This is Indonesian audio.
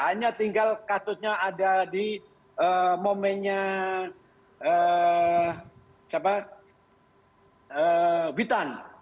hanya tinggal kasusnya ada di momennya witan